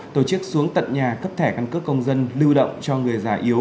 tổ chức xuống tận nhà cấp thẻ căn cước công dân lưu động cho người già yếu